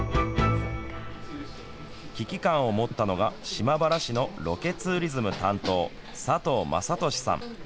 危機感を持ったのが島原市のロケツーリズム担当佐藤元俊さん。